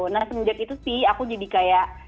nah semenjak itu sih aku jadi kayak